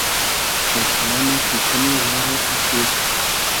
فݷسیلۂ نۂ کی کئنی وا رۂ اسیر